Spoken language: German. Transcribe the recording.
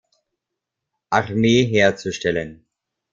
Armee herzustellen.